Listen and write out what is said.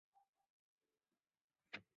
毛叶蒲公英为菊科蒲公英属下的一个种。